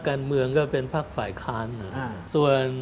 ไม่มีอะไรจากที่มีความไหว